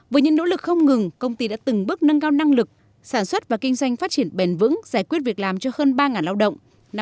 với những nỗ lực không ngừng công ty đã từng bước nâng cao năng lực sản xuất và kinh doanh phát triển bền vững giải quyết việc làm cho hơn ba lao động